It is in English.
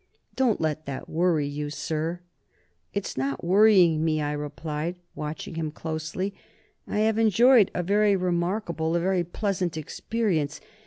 "Don't let that worry you, sir." "It's not worrying me," I replied, watching him closely. "I have enjoyed a very remarkable, a very pleasant experience.